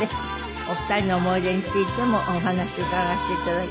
お二人の思い出についてもお話伺わせていただきます。